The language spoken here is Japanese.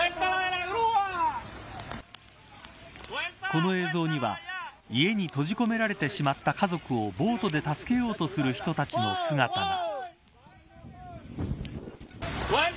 この映像には家に閉じ込められてしまった家族をボートで助けようとする人たちの姿が。